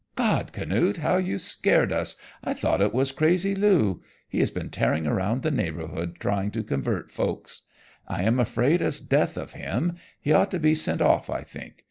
"God! Canute, how you scared us! I thought it was crazy Lou, he has been tearing around the neighborhood trying to convert folks. I am afraid as death of him. He ought to be sent off, I think.